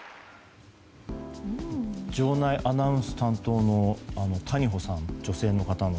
場内アナウンス担当の谷保さん女性の方